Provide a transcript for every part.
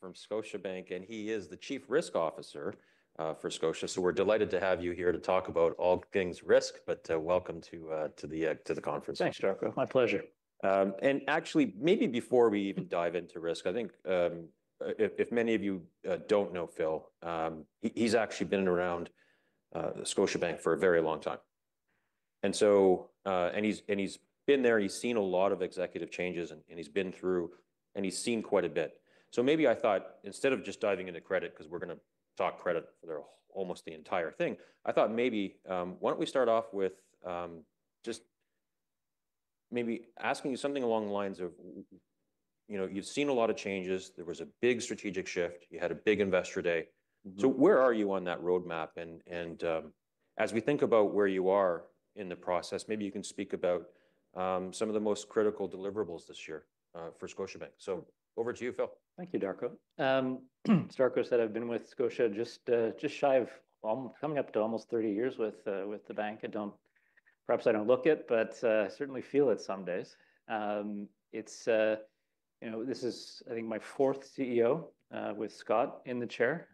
From Scotiabank, and he is the Chief Risk Officer for Scotia. So we're delighted to have you here to talk about all things risk, but welcome to the conference. Thanks, Darko. My pleasure. And actually, maybe before we even dive into risk, I think if many of you don't know Phil, he's actually been around Scotiabank for a very long time. And so he's been there, he's seen a lot of executive changes, and he's been through, and he's seen quite a bit. So maybe I thought, instead of just diving into credit, because we're going to talk credit for almost the entire thing, I thought maybe why don't we start off with just maybe asking you something along the lines of, you've seen a lot of changes, there was a big strategic shift, you had a big investor day. So where are you on that roadmap? And as we think about where you are in the process, maybe you can speak about some of the most critical deliverables this year for Scotiabank. So over to you, Phil. Thank you, Darko. As Darko said, I've been with Scotia just shy of coming up to almost 30 years with the bank. Perhaps I don't look it, but I certainly feel it some days. This is, I think, my fourth CEO with Scott in the chair.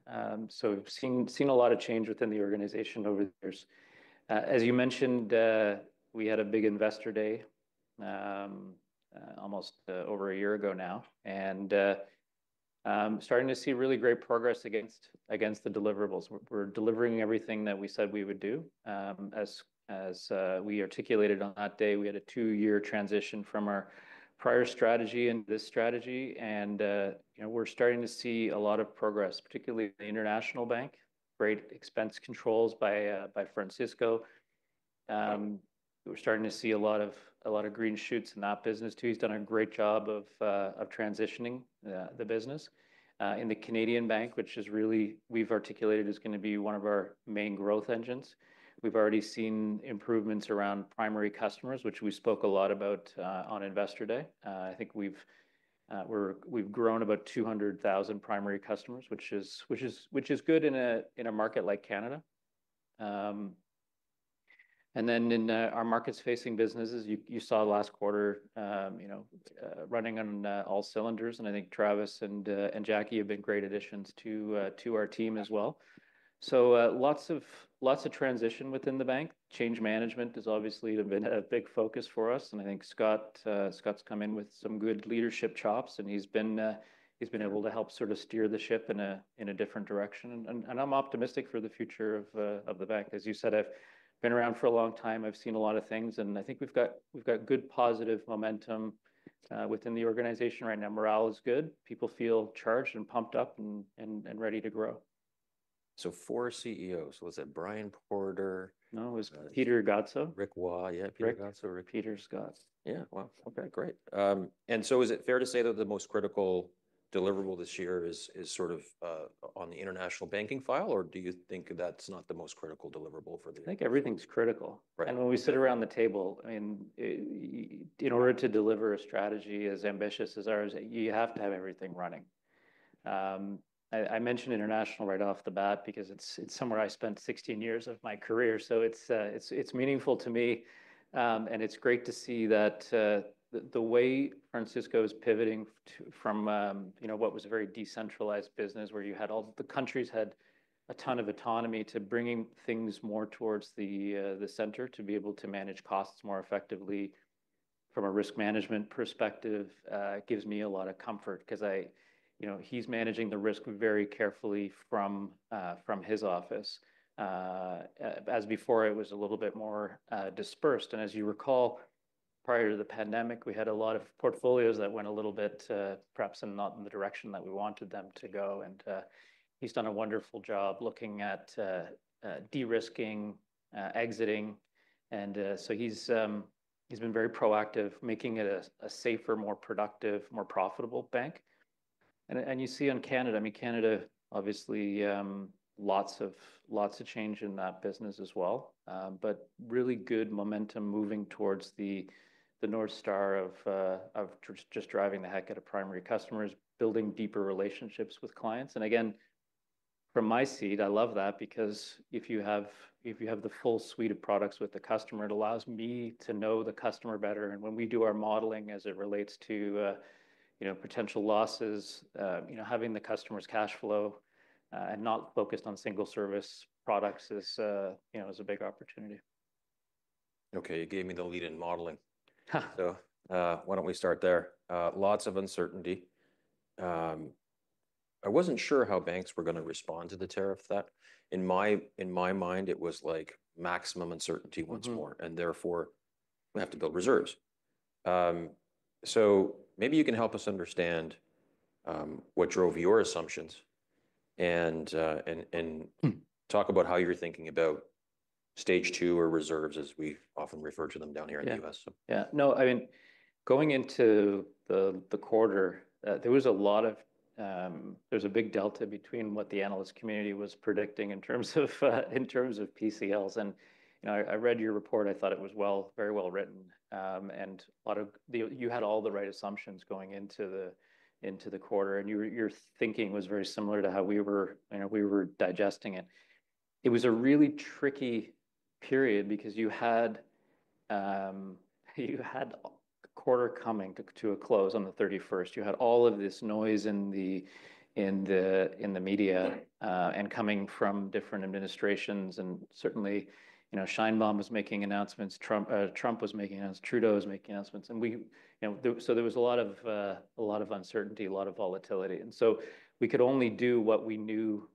So seen a lot of change within the organization over the years. As you mentioned, we had a big investor day almost over a year ago now, and starting to see really great progress against the deliverables. We're delivering everything that we said we would do. As we articulated on that day, we had a two-year transition from our prior strategy into this strategy, and we're starting to see a lot of progress, particularly the international bank, great expense controls by Francisco. We're starting to see a lot of green shoots in that business too. He's done a great job of transitioning the business. In the Canadian bank, which is really, we've articulated, is going to be one of our main growth engines. We've already seen improvements around primary customers, which we spoke a lot about on investor day. I think we've grown about 200,000 primary customers, which is good in a market like Canada. And then in our markets-facing businesses, you saw last quarter running on all cylinders, and I think Travis and Jacqui have been great additions to our team as well. So lots of transition within the bank. Change management has obviously been a big focus for us, and I think Scott's come in with some good leadership chops, and he's been able to help sort of steer the ship in a different direction. And I'm optimistic for the future of the bank. As you said, I've been around for a long time, I've seen a lot of things, and I think we've got good positive momentum within the organization right now. Morale is good. People feel charged and pumped up and ready to grow. So four CEOs. Was it Brian Porter? No, it was Peter Godsoe. Rick Waugh, yeah. Rick Ignacio, Rick. Peter Scott. Yeah. Wow. Okay, great, and so is it fair to say that the most critical deliverable this year is sort of on the international banking file, or do you think that's not the most critical deliverable for the? I think everything's critical. When we sit around the table, in order to deliver a strategy as ambitious as ours, you have to have everything running. I mentioned international right off the bat because it's somewhere I spent 16 years of my career, so it's meaningful to me, and it's great to see that the way Francisco is pivoting from what was a very decentralized business where you had all the countries had a ton of autonomy to bringing things more towards the center to be able to manage costs more effectively from a risk management perspective gives me a lot of comfort because he's managing the risk very carefully from his office. As before, it was a little bit more dispersed. And as you recall, prior to the pandemic, we had a lot of portfolios that went a little bit perhaps not in the direction that we wanted them to go, and he's done a wonderful job looking at de-risking, exiting. And so he's been very proactive, making it a safer, more productive, more profitable bank. And you see on Canada, I mean, Canada, obviously, lots of change in that business as well, but really good momentum moving towards the North Star of just driving the heck out of primary customers, building deeper relationships with clients. And again, from my seat, I love that because if you have the full suite of products with the customer, it allows me to know the customer better. And when we do our modeling as it relates to potential losses, having the customer's cash flow and not focused on single-service products is a big opportunity. Okay, you gave me the lead in modeling. So why don't we start there? Lots of uncertainty. I wasn't sure how banks were going to respond to the tariff threat. In my mind, it was like maximum uncertainty once more, and therefore we have to build reserves. So maybe you can help us understand what drove your assumptions and talk about how you're thinking about stage two or reserves as we often refer to them down here in the U.S. Yeah. No, I mean, going into the quarter, there was a lot of big delta between what the analyst community was predicting in terms of PCLs. I read your report. I thought it was very well written, and you had all the right assumptions going into the quarter, and your thinking was very similar to how we were digesting it. It was a really tricky period because you had a quarter coming to a close on the 31st. You had all of this noise in the media and coming from different administrations, and certainly Sheinbaum was making announcements, Trump was making announcements, Trudeau was making announcements. There was a lot of uncertainty, a lot of volatility. We could only do what we knew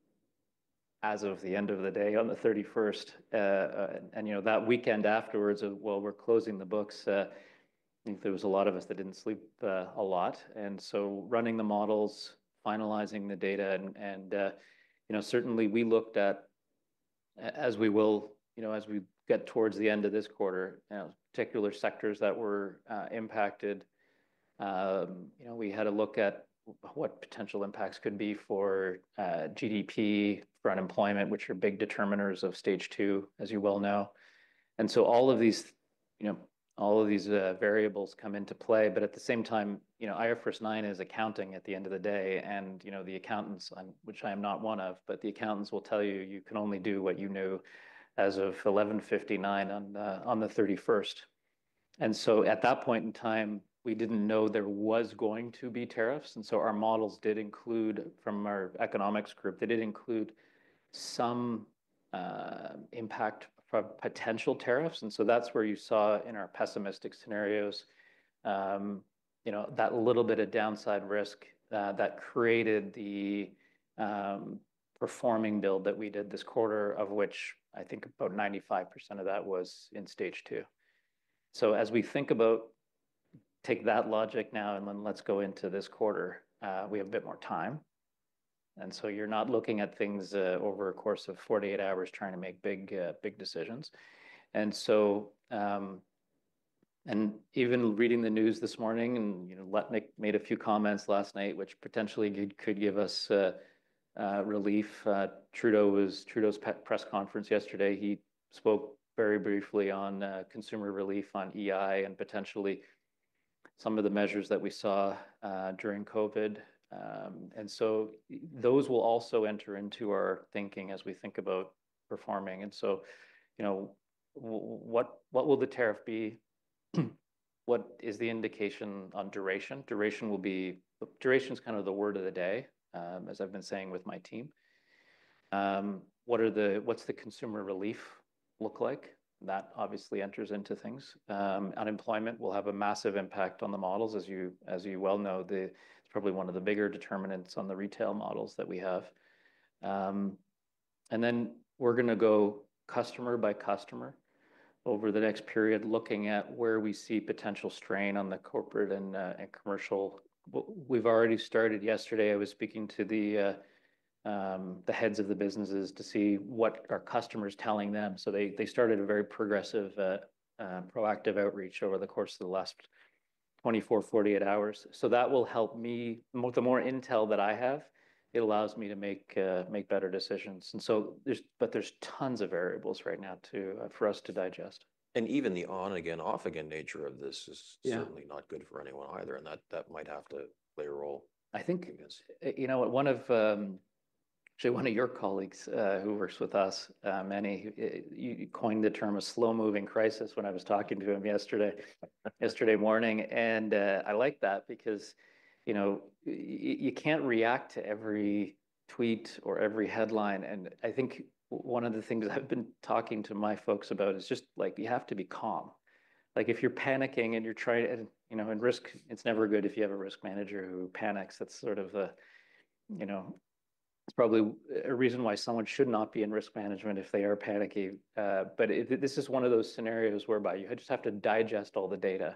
as of the end of the day on the 31st. That weekend afterwards, while we're closing the books, I think there was a lot of us that didn't sleep a lot. So running the models, finalizing the data, and certainly we looked at, as we will, as we get towards the end of this quarter, particular sectors that were impacted. We had a look at what potential impacts could be for GDP, for unemployment, which are big determinants of Stage 2, as you well know. So all of these variables come into play, but at the same time, IFRS 9 is accounting at the end of the day, and the accountants, which I am not one of, but the accountants will tell you you can only do what you knew as of 11:59 on the 31st. So at that point in time, we didn't know there was going to be tariffs. Our models did include from our economics group. They did include some impact from potential tariffs. That's where you saw in our pessimistic scenarios that little bit of downside risk that created the Performing Build that we did this quarter, of which I think about 95% of that was in Stage 2. As we think about take that logic now and let's go into this quarter, we have a bit more time. You're not looking at things over a course of 48 hours trying to make big decisions. Even reading the news this morning, and Nick made a few comments last night, which potentially could give us relief. Trudeau's press conference yesterday, he spoke very briefly on consumer relief on EI and potentially some of the measures that we saw during COVID. And so those will also enter into our thinking as we think about performing. And so what will the tariff be? What is the indication on duration? Duration is kind of the word of the day, as I've been saying with my team. What's the consumer relief look like? That obviously enters into things. Unemployment will have a massive impact on the models. As you well know, it's probably one of the bigger determinants on the retail models that we have. And then we're going to go customer by customer over the next period, looking at where we see potential strain on the corporate and commercial. We've already started yesterday. I was speaking to the heads of the businesses to see what are customers telling them. So they started a very progressive, proactive outreach over the course of the last 24-48 hours. So that will help me. The more intel that I have, it allows me to make better decisions. But there's tons of variables right now for us to digest. Even the on-again, off-again nature of this is certainly not good for anyone either, and that might have to play a role. I think one of your colleagues who works with us, Meny, coined the term a slow-moving crisis when I was talking to him yesterday morning, and I like that because you can't react to every tweet or every headline, and I think one of the things I've been talking to my folks about is just like you have to be calm. If you're panicking and you're trying to risk, it's never good if you have a risk manager who panics. It's probably a reason why someone should not be in risk management if they are panicky, but this is one of those scenarios whereby you just have to digest all the data,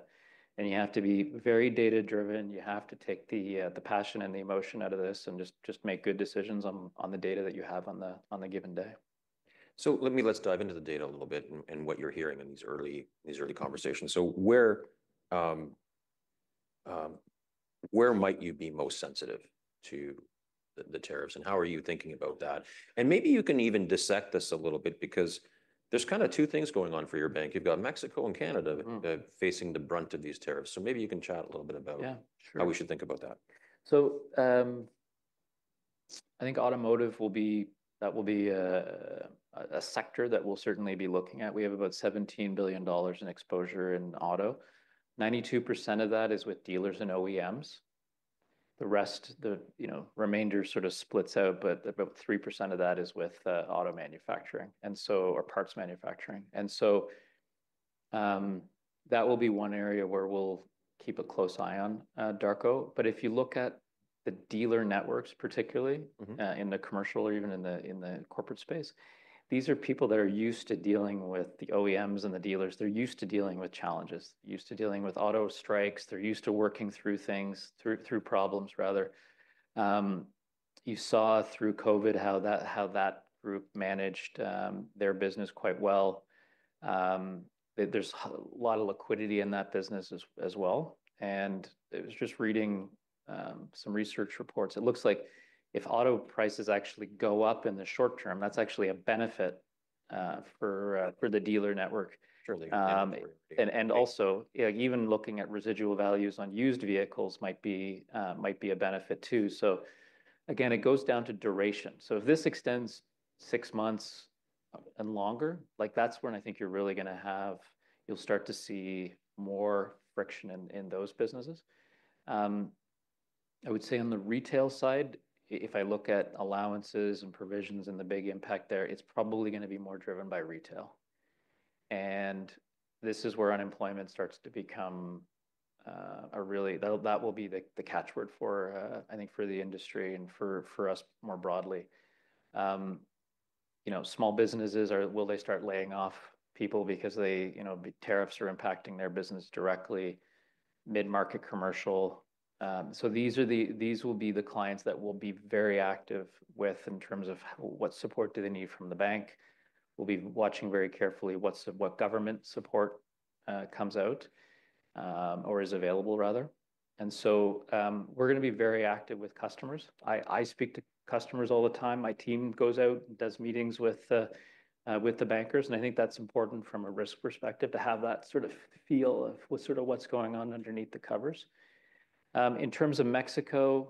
and you have to be very data-driven. You have to take the passion and the emotion out of this and just make good decisions on the data that you have on the given day. So let me dive into the data a little bit and what you're hearing in these early conversations. So where might you be most sensitive to the tariffs, and how are you thinking about that? And maybe you can even dissect this a little bit because there's kind of two things going on for your bank. You've got Mexico and Canada facing the brunt of these tariffs. So maybe you can chat a little bit about how we should think about that. I think automotive will be a sector that we'll certainly be looking at. We have about 17 billion dollars in exposure in auto. 92% of that is with dealers and OEMs. The remainder sort of splits out, but about 3% of that is with auto manufacturing or parts manufacturing. So that will be one area where we'll keep a close eye on, Darko. If you look at the dealer networks, particularly in the commercial or even in the corporate space, these are people that are used to dealing with the OEMs and the dealers. They're used to dealing with challenges, used to dealing with auto strikes. They're used to working through things, through problems rather. You saw through COVID how that group managed their business quite well. There's a lot of liquidity in that business as well. It was just reading some research reports. It looks like if auto prices actually go up in the short term, that's actually a benefit for the dealer network. Certainly. And also, even looking at residual values on used vehicles might be a benefit too. So again, it goes down to duration. So if this extends six months and longer, that's when I think you're really going to have you'll start to see more friction in those businesses. I would say on the retail side, if I look at allowances and provisions and the big impact there, it's probably going to be more driven by retail. And this is where unemployment starts to become a really that will be the catchword for, I think, for the industry and for us more broadly. Small businesses, will they start laying off people because tariffs are impacting their business directly, mid-market commercial? So these will be the clients that we'll be very active with in terms of what support do they need from the bank. We'll be watching very carefully what government support comes out or is available, rather, and so we're going to be very active with customers. I speak to customers all the time. My team goes out and does meetings with the bankers, and I think that's important from a risk perspective to have that sort of feel of sort of what's going on underneath the covers. In terms of Mexico,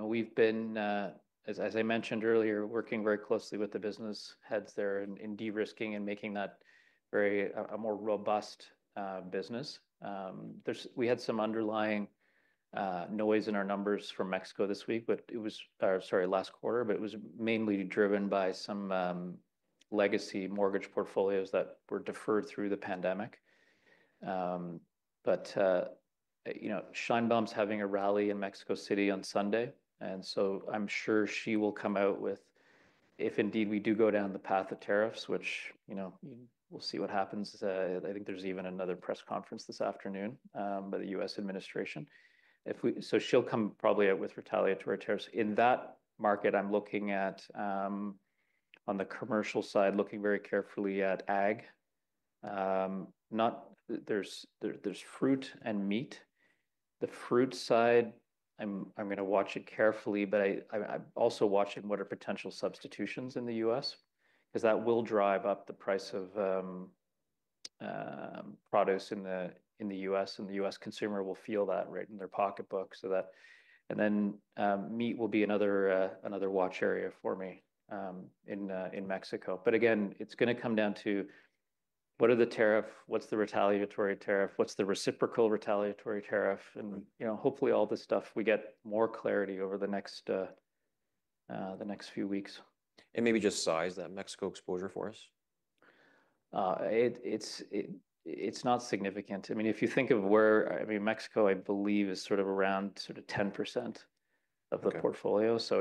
we've been, as I mentioned earlier, working very closely with the business heads there in de-risking and making that a more robust business. We had some underlying noise in our numbers from Mexico this week, but it was, sorry, last quarter, but it was mainly driven by some legacy mortgage portfolios that were deferred through the pandemic, but Sheinbaum's having a rally in Mexico City on Sunday. And so I'm sure she will come out with, if indeed we do go down the path of tariffs, which we'll see what happens. I think there's even another press conference this afternoon by the U.S. administration. So she'll come probably out with retaliatory tariffs. In that market, I'm looking at, on the commercial side, looking very carefully at ag. There's fruit and meat. The fruit side, I'm going to watch it carefully, but I'm also watching what are potential substitutions in the U.S. because that will drive up the price of produce in the U.S., and the U.S. consumer will feel that right in their pocketbook. And then meat will be another watch area for me in Mexico. But again, it's going to come down to what are the tariffs, what's the retaliatory tariff, what's the reciprocal retaliatory tariff. Hopefully all this stuff, we get more clarity over the next few weeks. Maybe just size that Mexico exposure for us? It's not significant. I mean, if you think of where I mean, Mexico, I believe, is sort of around sort of 10% of the portfolio. So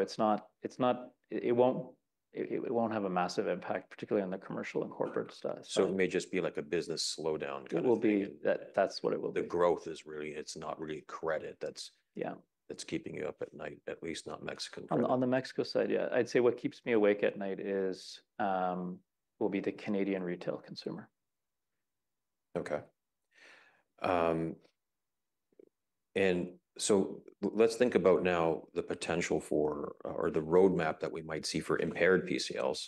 it won't have a massive impact, particularly on the commercial and corporate stuff. It may just be like a business slowdown. It will be. That's what it will be. The growth is really, it's not really credit that's keeping you up at night, at least not Mexican credit. On the Mexico side, yeah. I'd say what keeps me awake at night will be the Canadian retail consumer. Okay, and so let's think about now the potential for or the roadmap that we might see for impaired PCLs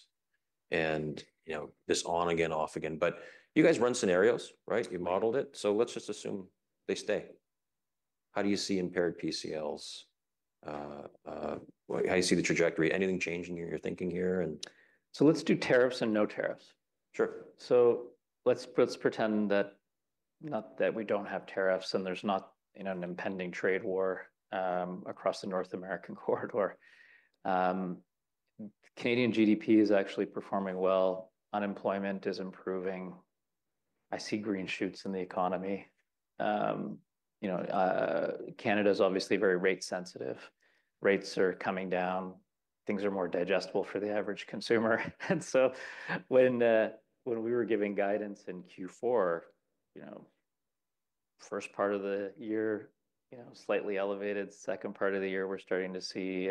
and this on-again, off-again, but you guys run scenarios, right? You modeled it, so let's just assume they stay. How do you see impaired PCLs? How do you see the trajectory? Anything changing in your thinking here? Let's do tariffs and no tariffs. Sure. So let's pretend that we don't have tariffs and there's not an impending trade war across the North American corridor. Canadian GDP is actually performing well. Unemployment is improving. I see green shoots in the economy. Canada is obviously very rate sensitive. Rates are coming down. Things are more digestible for the average consumer. And so when we were giving guidance in Q4, first part of the year slightly elevated, second part of the year, we're starting to see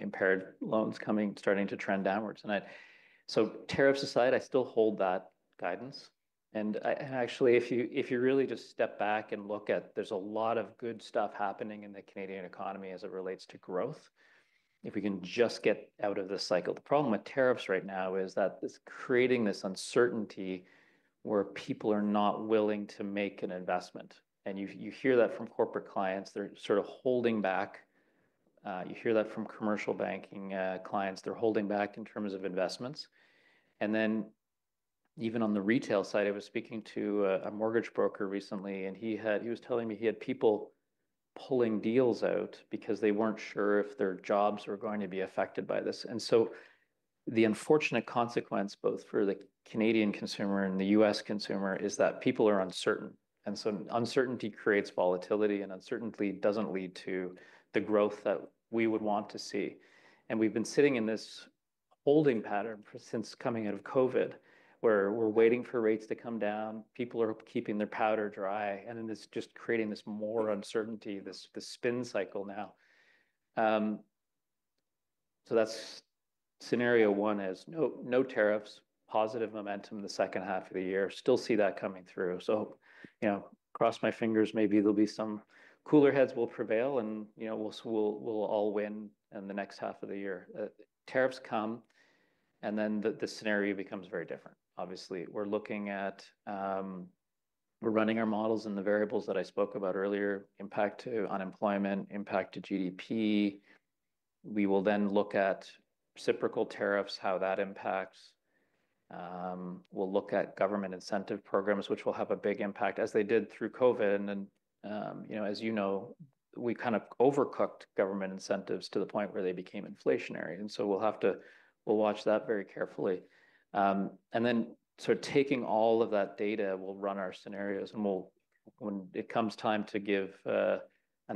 impaired loans starting to trend downwards. So tariffs aside, I still hold that guidance. And actually, if you really just step back and look at, there's a lot of good stuff happening in the Canadian economy as it relates to growth. If we can just get out of this cycle. The problem with tariffs right now is that it's creating this uncertainty where people are not willing to make an investment. You hear that from corporate clients. They're sort of holding back. You hear that from commercial banking clients. They're holding back in terms of investments. And then even on the retail side, I was speaking to a mortgage broker recently, and he was telling me he had people pulling deals out because they weren't sure if their jobs were going to be affected by this. And so the unfortunate consequence, both for the Canadian consumer and the U.S. consumer, is that people are uncertain. And so uncertainty creates volatility, and uncertainty doesn't lead to the growth that we would want to see. And we've been sitting in this holding pattern since coming out of COVID, where we're waiting for rates to come down. People are keeping their powder dry, and it's just creating this more uncertainty, this spin cycle now. So that's scenario one is no tariffs, positive momentum the second half of the year. Still see that coming through. So cross my fingers, maybe there'll be some cooler heads will prevail, and we'll all win in the next half of the year. Tariffs come, and then the scenario becomes very different. Obviously, we're looking at, we're running our models and the variables that I spoke about earlier, impact to unemployment, impact to GDP. We will then look at reciprocal tariffs, how that impacts. We'll look at government incentive programs, which will have a big impact as they did through COVID. And as you know, we kind of overcooked government incentives to the point where they became inflationary. And so we'll have to, we'll watch that very carefully. And then sort of taking all of that data, we'll run our scenarios. When it comes time to give an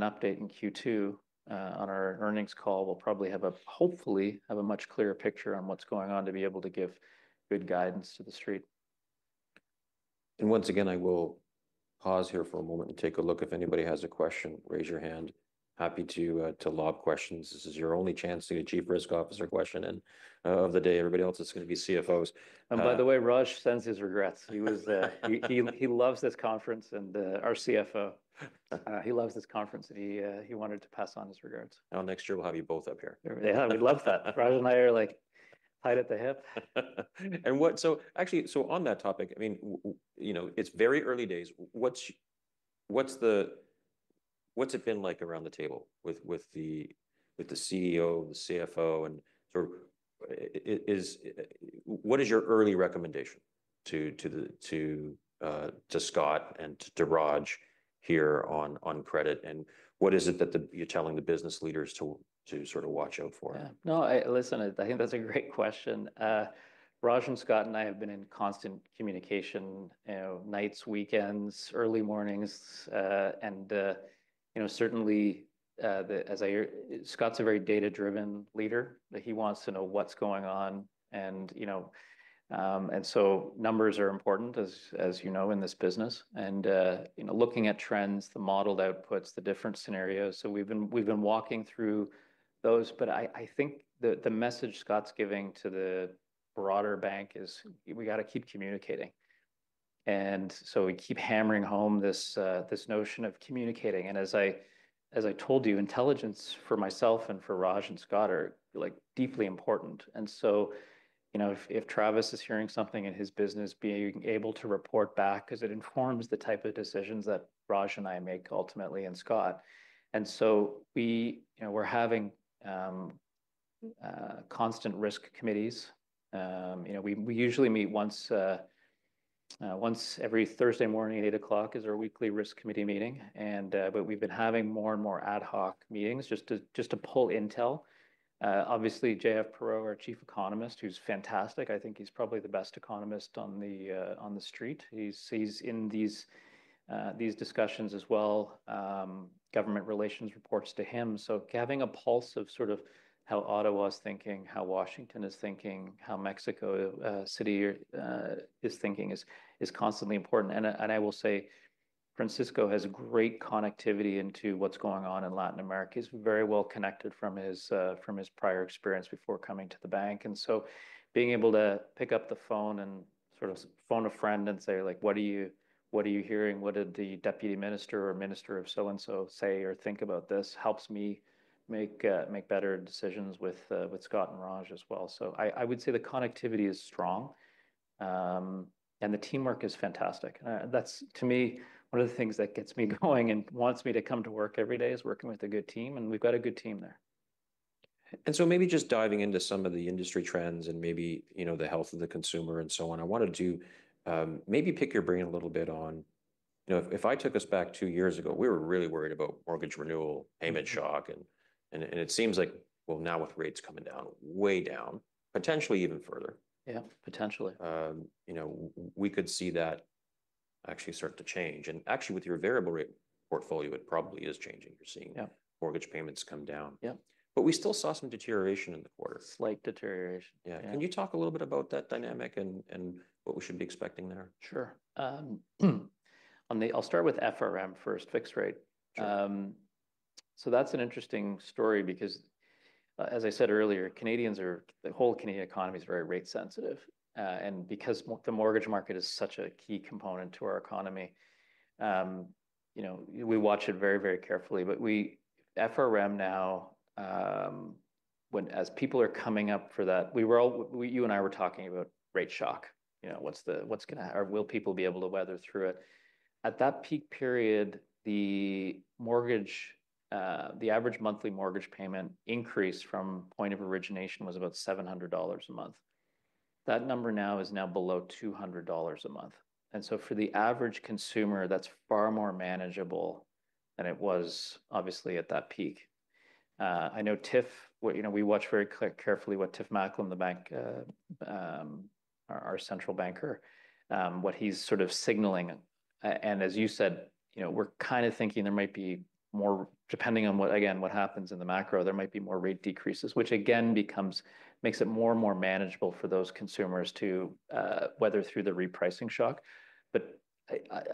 update in Q2 on our earnings call, we'll probably hopefully have a much clearer picture on what's going on to be able to give good guidance to the street. And once again, I will pause here for a moment and take a look. If anybody has a question, raise your hand. Happy to log questions. This is your only chance to get a Chief Risk Officer question of the day. Everybody else is going to be CFOs. By the way, Raj sends his regrets. He loves this conference and our CFO, and he wanted to pass on his regrets. Next year, we'll have you both up here. We'd love that. Raj and I are like tied at the hip. And so actually, so on that topic, I mean, it's very early days. What's it been like around the table with the CEO, the CFO? And what is your early recommendation to Scott and to Raj here on credit? And what is it that you're telling the business leaders to sort of watch out for? Yeah. No, listen, I think that's a great question. Raj and Scott and I have been in constant communication, nights, weekends, early mornings. And certainly, Scott's a very data-driven leader. He wants to know what's going on. And so numbers are important, as you know, in this business. And looking at trends, the modeled outputs, the different scenarios. So we've been walking through those. But I think the message Scott's giving to the broader bank is we got to keep communicating. And so we keep hammering home this notion of communicating. And as I told you, intelligence for myself and for Raj and Scott are deeply important. And so if Travis is hearing something in his business, being able to report back because it informs the type of decisions that Raj and I make ultimately and Scott. And so we're having constant risk committees. We usually meet once every Thursday morning at 8:00 A.M. is our weekly risk committee meeting. But we've been having more and more ad hoc meetings just to pull intel. Obviously, J.F. Perrault, our Chief Economist, who's fantastic, I think he's probably the best economist on the street. He's in these discussions as well. Government relations reports to him. So having a pulse of sort of how Ottawa is thinking, how Washington is thinking, how Mexico City is thinking is constantly important. And I will say Francisco has great connectivity into what's going on in Latin America. He's very well connected from his prior experience before coming to the bank. And so being able to pick up the phone and sort of phone a friend and say, "What are you hearing? What did the deputy minister or minister of so-and-so say or think about this?" helps me make better decisions with Scott and Raj as well, so I would say the connectivity is strong, and the teamwork is fantastic, and that's, to me, one of the things that gets me going and wants me to come to work every day is working with a good team, and we've got a good team there. And so maybe just diving into some of the industry trends and maybe the health of the consumer and so on, I wanted to maybe pick your brain a little bit on if I took us back two years ago, we were really worried about mortgage renewal, payment shock, and it seems like, well, now with rates coming down, way down, potentially even further. Yeah, potentially. We could see that actually start to change. And actually, with your variable rate portfolio, it probably is changing. You're seeing mortgage payments come down. But we still saw some deterioration in the quarter. Slight deterioration. Yeah. Can you talk a little bit about that dynamic and what we should be expecting there? Sure. I'll start with FRM first, fixed rate. So that's an interesting story because, as I said earlier, Canadians are, the whole Canadian economy is very rate sensitive. And because the mortgage market is such a key component to our economy, we watch it very, very carefully. But FRM now, as people are coming up for that, you and I were talking about rate shock. What's going to happen? Will people be able to weather through it? At that peak period, the average monthly mortgage payment increase from point of origination was about 700 dollars a month. That number now is below 200 dollars a month. And so for the average consumer, that's far more manageable than it was, obviously, at that peak. I know Tiff, we watch very carefully what Tiff Macklem, our central banker, what he's sort of signaling. And as you said, we're kind of thinking there might be more, depending on, again, what happens in the macro. There might be more rate decreases, which again makes it more and more manageable for those consumers to weather through the repricing shock. But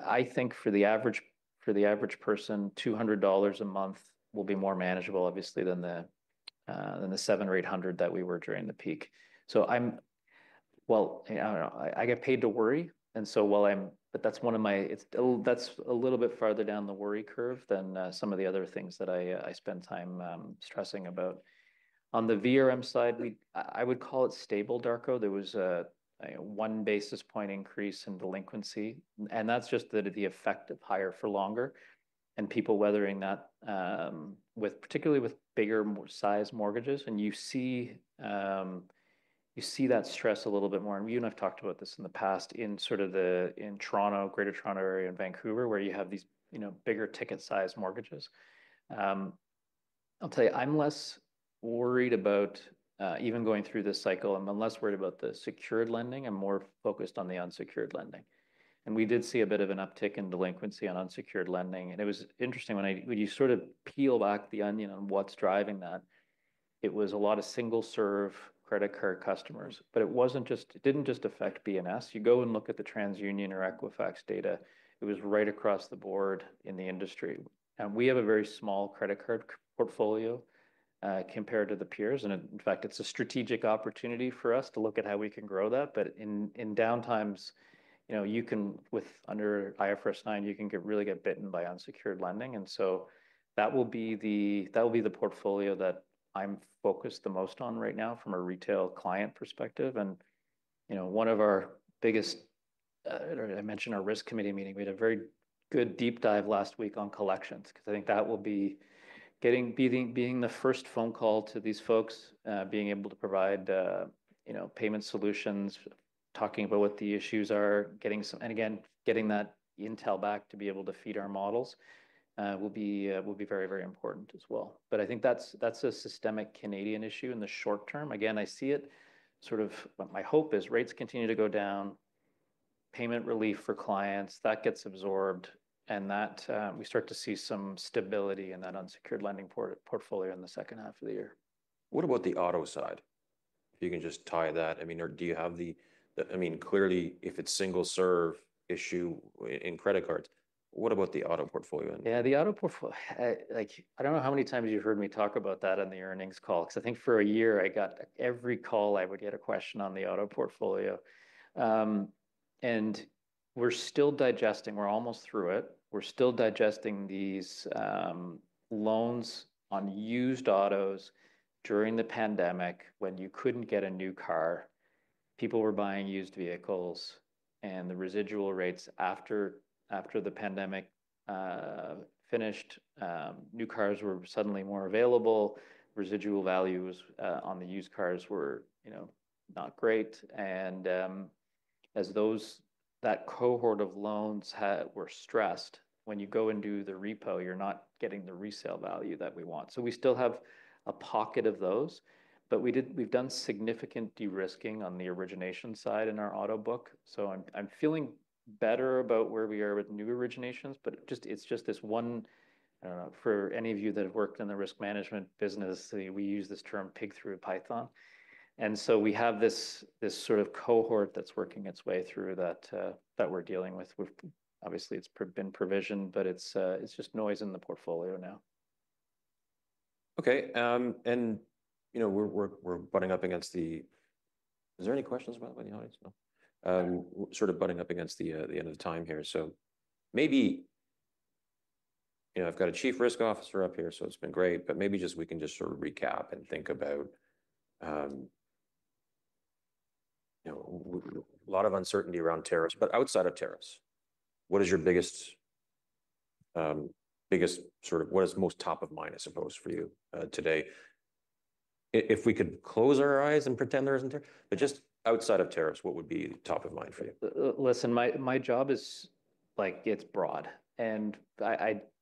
I think for the average person, 200 dollars a month will be more manageable, obviously, than the 700 or 800 that we were during the peak. So I get paid to worry. And so that's a little bit farther down the worry curve than some of the other things that I spend time stressing about. On the VRM side, I would call it stable, Darko. There was one basis point increase in delinquency. And that's just the effect of higher for longer and people weathering that, particularly with bigger size mortgages. And you see that stress a little bit more. And you and I've talked about this in the past in sort of the Greater Toronto Area and Vancouver, where you have these bigger ticket size mortgages. I'll tell you, I'm less worried about even going through this cycle. I'm less worried about the secured lending. I'm more focused on the unsecured lending. And we did see a bit of an uptick in delinquency on unsecured lending. And it was interesting when you sort of peel back the onion on what's driving that. It was a lot of single-serve credit card customers. But it didn't just affect BNS. You go and look at the TransUnion or Equifax data. It was right across the board in the industry. And we have a very small credit card portfolio compared to the peers. And in fact, it's a strategic opportunity for us to look at how we can grow that. But in downtimes, with under IFRS 9, you can really get bitten by unsecured lending. And so that will be the portfolio that I'm focused the most on right now from a retail client perspective. And one of our biggest, I mentioned our risk committee meeting. We had a very good deep dive last week on collections because I think that will be being the first phone call to these folks, being able to provide payment solutions, talking about what the issues are, and again, getting that intel back to be able to feed our models will be very, very important as well. But I think that's a systemic Canadian issue in the short term. Again, I see it sort of, my hope is rates continue to go down, payment relief for clients, that gets absorbed, and we start to see some stability in that unsecured lending portfolio in the second half of the year. What about the auto side? If you can just tie that, I mean, or do you have, I mean, clearly, if it's single-serve issue in credit cards, what about the auto portfolio? Yeah, the auto portfolio. I don't know how many times you've heard me talk about that on the earnings call because I think for a year, I got every call I would get a question on the auto portfolio. And we're still digesting, we're almost through it. We're still digesting these loans on used autos during the pandemic when you couldn't get a new car. People were buying used vehicles. And the residual rates after the pandemic finished, new cars were suddenly more available. Residual values on the used cars were not great. And as that cohort of loans were stressed, when you go and do the repo, you're not getting the resale value that we want. So we still have a pocket of those. But we've done significant de-risking on the origination side in our auto book. So I'm feeling better about where we are with new originations. But it's just this one, I don't know. For any of you that have worked in the risk management business, we use this term Pig through Python, and so we have this sort of cohort that's working its way through that we're dealing with. Obviously, it's been provisioned, but it's just noise in the portfolio now. Okay. And we're butting up against the, is there any questions about it? Sort of butting up against the end of the time here. So maybe I've got a Chief Risk Officer up here, so it's been great. But maybe just we can just sort of recap and think about a lot of uncertainty around tariffs, but outside of tariffs. What is your biggest sort of, what is most top of mind, I suppose, for you today? If we could close our eyes and pretend there isn't a tariff, but just outside of tariffs, what would be top of mind for you? Listen, my job is broad. And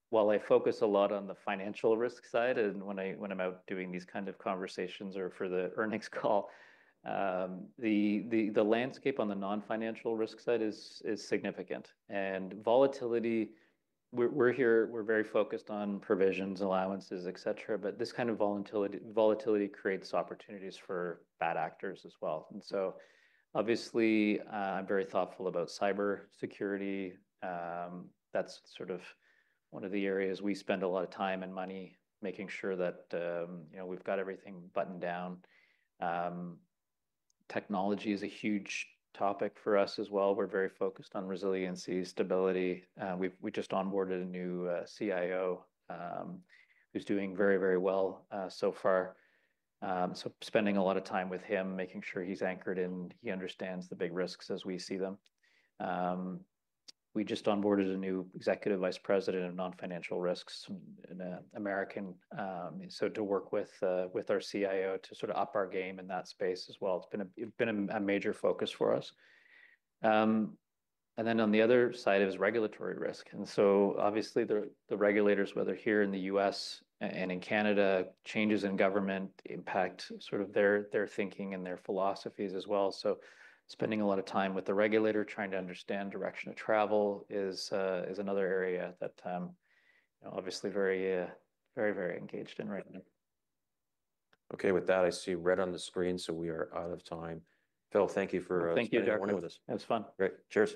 while I focus a lot on the financial risk side and when I'm out doing these kinds of conversations or for the earnings call, the landscape on the non-financial risk side is significant. And volatility, we're very focused on provisions, allowances, et cetera. But this kind of volatility creates opportunities for bad actors as well. And so obviously, I'm very thoughtful about cybersecurity. That's sort of one of the areas we spend a lot of time and money making sure that we've got everything buttoned down. Technology is a huge topic for us as well. We're very focused on resiliency, stability. We just onboarded a new CIO who's doing very, very well so far. So spending a lot of time with him, making sure he's anchored and he understands the big risks as we see them. We just onboarded a new executive vice president of non-financial risks in America. So to work with our CIO to sort of up our game in that space as well. It's been a major focus for us. And then on the other side is regulatory risk. And so obviously, the regulators, whether here in the U.S. and in Canada, changes in government impact sort of their thinking and their philosophies as well. So spending a lot of time with the regulator trying to understand direction of travel is another area that I'm obviously very, very, very engaged in right now. Okay. With that, I see red on the screen, so we are out of time. Phil, thank you for. Thank you, Dr. Darko Working with us. It was fun. Great. Cheers.